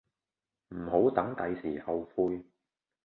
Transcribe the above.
唔好等第時後悔